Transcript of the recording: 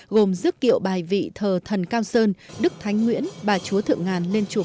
gồm giức kiệu bài vị thờ thần cao sơn đức thánh nguyễn bà chúa thượng ngàn lên chùa cổ